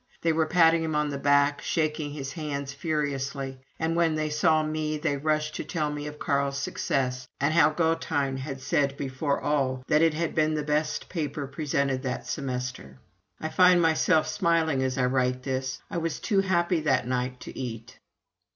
They were patting him on the back, shaking his hands furiously; and when they saw me, they rushed to tell me of Carl's success and how Gothein had said before all that it had been the best paper presented that semester. I find myself smiling as I write this I was too happy that night to eat.